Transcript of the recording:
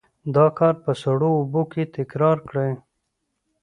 دا کار په سړو اوبو کې تکرار کړئ.